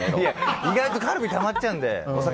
意外とカルビたまっちゃうので。